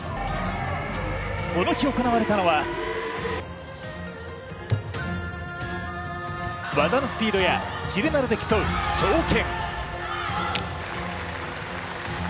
この日行われたのは技のスピードやキレなどで競う長拳。